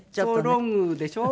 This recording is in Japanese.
ロングでしょ。